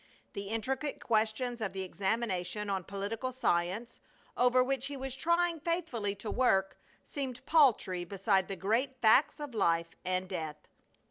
The intricate questions of the examination on political science over which he was trying faithfully to work seemed paltry beside the great facts of life and death.